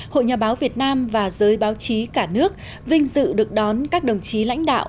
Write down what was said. hội nhà báo việt nam và giới báo chí cả nước vinh dự được đón các đồng chí lãnh đạo